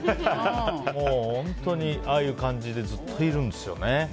もう本当にああいう感じでずっといるんですよね。